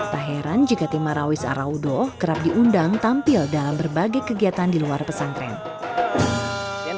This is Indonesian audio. tak heran jika tim marawis araudo kerap diundang tampil dalam berbagai kegiatan di luar pesantren